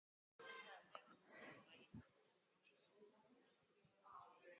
Hobeto janzteko ideiak hartzeko leku paregabea da.